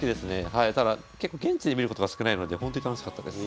ただ結構現地で見ることが少ないのでほんとに楽しかったです。